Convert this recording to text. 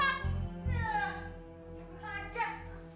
ya gua ajak